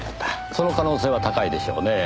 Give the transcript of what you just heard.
その可能性は高いでしょうねえ。